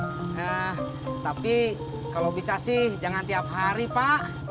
nah tapi kalau bisa sih jangan tiap hari pak